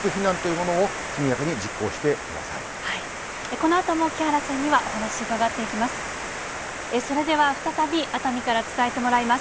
このあとも木原さんには、お話伺っていきます。